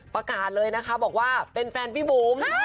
ประกาศเลยนะคะบอกว่าเป็นแฟนพี่บุ๋ม